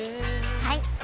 はい！